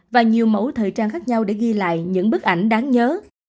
và nhiều mẫu thời trang khác nhau để ghi lại những bức ảnh đáng nhớ